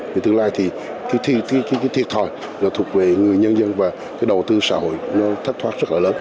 vì tương lai thì cái thiệt thòi nó thuộc về người nhân dân và cái đầu tư xã hội nó thất thoát rất là lớn